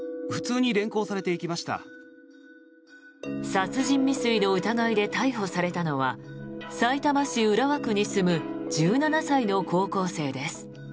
殺人未遂の疑いで逮捕されたのはさいたま市浦和区に住む１７歳の高校生です。